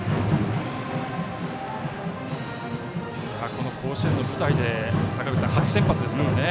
この甲子園の舞台で初先発ですからね。